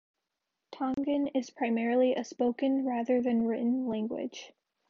Tongan is primarily a spoken, rather than written, language.